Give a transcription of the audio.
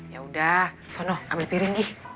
ya udah sono ambil piring gi